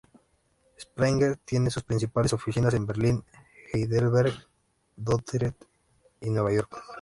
Springer tiene sus principales oficinas en Berlín, Heidelberg, Dordrecht y Nueva York.